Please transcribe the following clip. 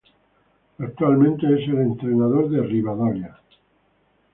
Actualmente es el entrenador de Rivadavia.